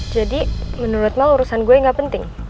jadi menurut mel urusan gue gak penting